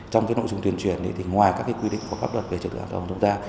trong cái nội dung tuyên truyền thì ngoài các cái quy định có pháp luật về trật tự an toàn của chúng ta